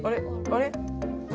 あれ？